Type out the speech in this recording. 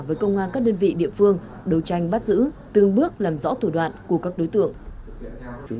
với công an các đơn vị địa phương đấu tranh bắt giữ từng bước làm rõ thủ đoạn của các đối tượng